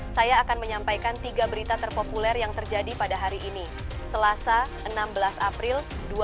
saya akan menyampaikan tiga berita terpopuler yang terjadi pada hari ini selasa enam belas april dua ribu dua puluh